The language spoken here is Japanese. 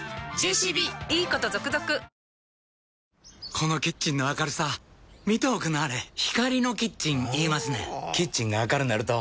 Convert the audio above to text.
このキッチンの明るさ見ておくんなはれ光のキッチン言いますねんほぉキッチンが明るなると・・・